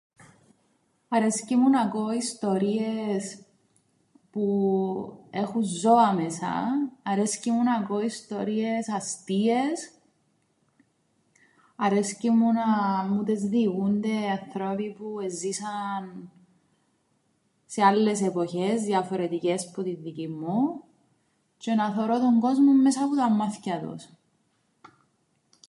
Αρέσκει μου να ακούω ιστορίες που έχουν ζώα μέσα. Αρέσκει μου να ακούω ιστορίες αστείες. Αρέσκει μου να μου τες διηγούνται ανθρώποι που εζήσαν σε άλλες εποχές διαφορετικές που την δικήν μου, τζ̆αι να θωρώ τον κόσμον μέσα που τα μμάθκια τους.